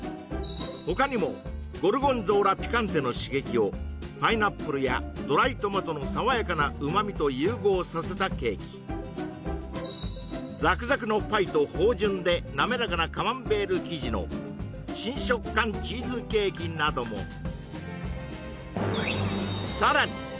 他にもゴルゴンゾーラピカンテの刺激をパイナップルやドライトマトの爽やかな旨みと融合させたケーキザクザクのパイと芳醇でなめらかなカマンベール生地の新食感チーズケーキなどもさらに！